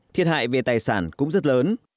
thiệt hại về tài sản cũng rất lớn